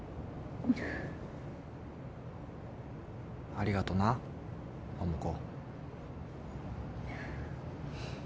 ありがとな桃子。